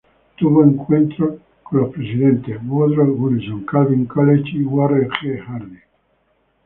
Tuvo encuentros con los presidentes Woodrow Wilson, Calvin Coolidge y Warren G. Harding.